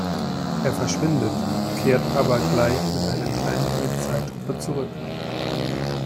Er verschwindet, kehrt aber gleich mit einer kleinen Polizeitruppe zurück.